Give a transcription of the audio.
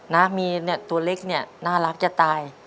นะมีตัวเล็กนี่น่ารักจะตาย